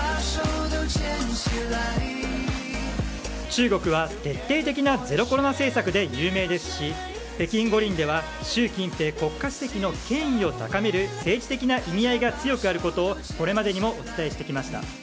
中国は徹底的なゼロコロナ政策で有名ですし北京五輪では習近平国家主席の権威を高めるための政治的な意味合いが強くあることをこれまでにもお伝えしてきました。